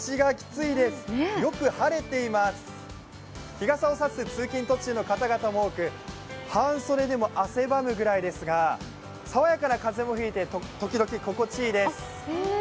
日傘を差す通勤途中の方々も多く、半袖でも汗ばむぐらいですが、爽やかな風も吹いて時々、心地いいです。